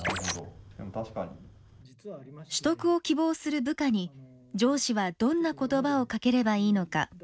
取得を希望する部下に上司はどんな言葉をかければいいのか。